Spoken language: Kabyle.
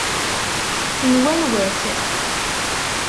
N wanwa-t?